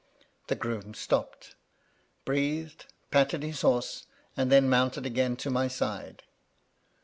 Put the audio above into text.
The groom stopped, breathed, patted his horse, and then mounted again to my side.